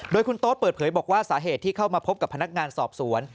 โดยคุณโต๊ดเปิดเผยบอกว่าสาเหตุที่เข้ามาพบกับพนักงานสอบสวน